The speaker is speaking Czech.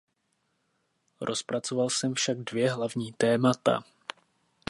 Rozpracoval jsem však dvě hlavní témata.